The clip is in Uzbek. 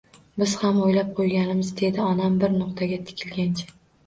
Biz ham o`ylab qo`yganmiz, dedi onam bir nuqtaga tikilgancha